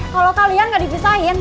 kalau kalian gak dipisahin